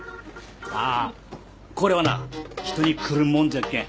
あっこれはな人にくるっもんじゃっけん。